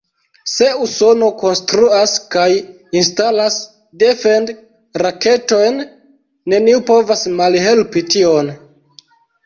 Se Usono konstruas kaj instalas defend-raketojn, neniu povas malhelpi tion.